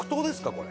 これ。